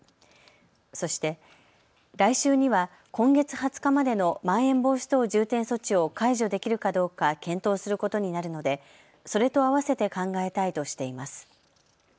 そして来週には今月２０日までのまん延防止等重点措置を解除できるかどうか検討することになるのでそれと合わせて考えたいとしています。